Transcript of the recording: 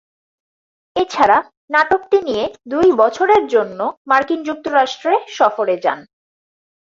এছাড়া নাটকটি নিয়ে দুই বছরের জন্য মার্কিন যুক্তরাষ্ট্রে সফরে যান।